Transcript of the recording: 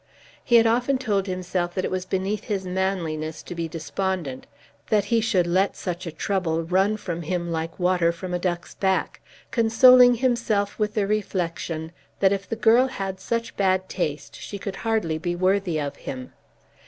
He had often told himself that it was beneath his manliness to be despondent; that he should let such a trouble run from him like water from a duck's back, consoling himself with the reflection that if the girl had such bad taste she could hardly be worthy of him.